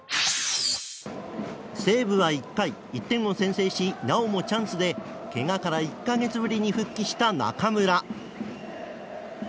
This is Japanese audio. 西武は１回、１点を先制しなおもチャンスでけがから１か月ぶりに復帰した中村。